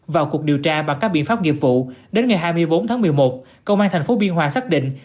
vào cuộc điều tra bằng các biện pháp nghiệp vụ đến ngày hai mươi bốn tháng một mươi một công an tp biên hòa xác định